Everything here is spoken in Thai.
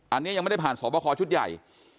อันนี้ยังไม่ได้ผ่านสอบคอชุดใหญ่